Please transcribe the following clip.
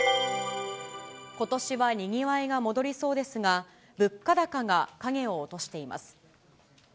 ことしはにぎわいが戻りそうですが、物価高が影を落としています。